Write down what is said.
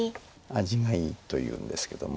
味がいいというんですけども。